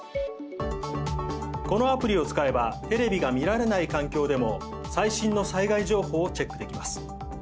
このアプリを使えばテレビが見られない環境でも最新の災害情報をチェックできます。